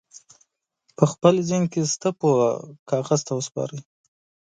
په خپل ذهن کې شته پوهه کاغذ ته وسپارئ.